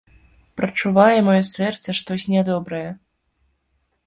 Прачувае маё сэрца штось нядобрае.